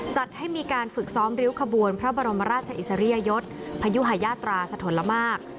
จัดให้มีการฝึกซ้อมริ้วขบวนพระบรมราชอิสริยยศพยุหายาตราสะทนละมาก